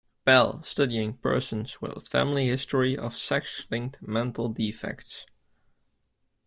Bell, studying persons with family history of sex-linked "mental defects".